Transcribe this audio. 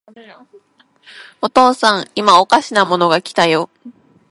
お父さん、いまおかしなものが来たよ。